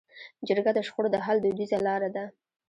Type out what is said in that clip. جرګه د شخړو د حل دودیزه لار ده.